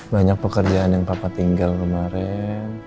banyak pekerjaan yang papa tinggal kemarin